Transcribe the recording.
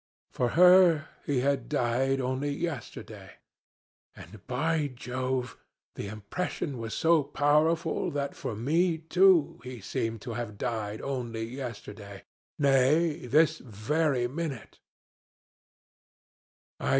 For her he had died only yesterday. And, by Jove! the impression was so powerful that for me too he seemed to have died only yesterday nay, this very minute.